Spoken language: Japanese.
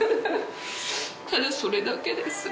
ただそれだけです